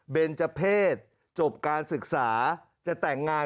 เป็นเจ้าเพศจบการศึกษาจะแต่งงาน